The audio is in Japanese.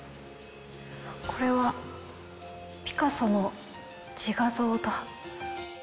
これは、ピカソの自画像だ。